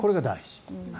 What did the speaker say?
これが大事。